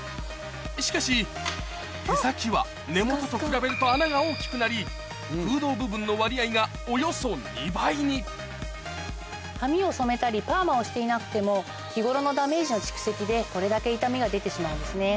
しかし毛先は根本と比べると穴が大きくなり空洞部分の割合がおよそ２倍に髪を染めたりパーマをしていなくても日頃のダメージの蓄積でこれだけ傷みが出てしまうんですね。